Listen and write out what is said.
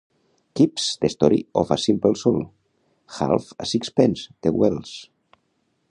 "Kipps: The Story of a Simple Soul", "Half a Sixpence" de Wells.